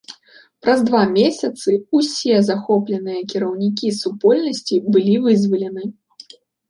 Праз два месяцы ўсе захопленыя кіраўнікі супольнасці былі вызвалены.